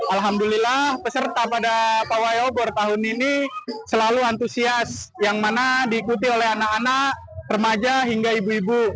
alhamdulillah peserta pada pawai obor tahun ini selalu antusias yang mana diikuti oleh anak anak remaja hingga ibu ibu